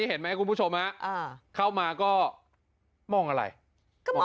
เอามาไหนแล้ว